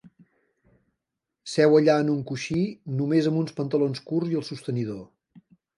Seu allà en un coixí, només amb uns pantalons curts i el sostenidor.